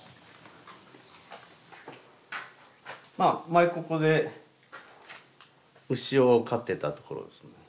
前ここで牛を飼ってたところですね。